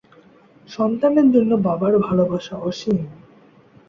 সন্তানের জন্য বাবার ভালোবাসা অসীম।